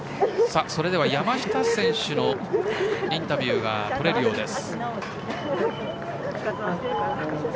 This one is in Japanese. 山下選手のインタビューがとれるようです。